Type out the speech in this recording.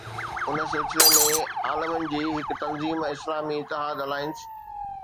ان سلسلي ۾ عالمن جي هڪ تنظيم ”اسلامي اتحاد الائنس“